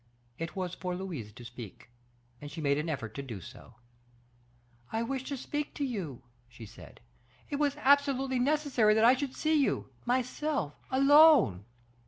It was for Louise to speak, and she made an effort to do so. "I wished to speak to you," she said. "It was absolutely necessary that I should see you myself alone.